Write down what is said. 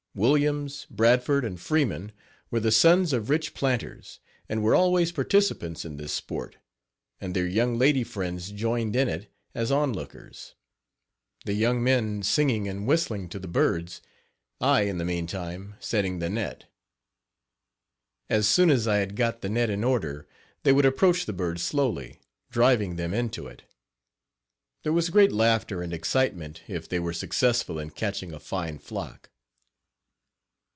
Williams, Bradford and Freeman were the sons of rich planters, and were always participants in this sport, and their young lady friends joined in it as on lookers. The young men singing and whistling to the birds, I in the meantime setting the net. As soon as I had got the net in order they would approach the birds slowly, driving them into it. There was great laughter and excitement if they were successful in catching a fine flock.